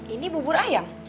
ini bubur ayam